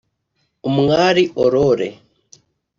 Umwali Aurore